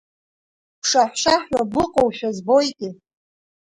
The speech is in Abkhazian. Бшаҳәшаҳәуа быҟәоушәа збоите…